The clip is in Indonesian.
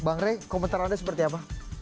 bang rey komentar anda seperti apa